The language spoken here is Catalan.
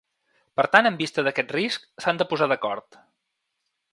Per tant, en vista d’aquest risc, s’han de posar d’acord.